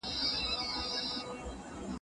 حق ته پاملرنه د بریا راز دی.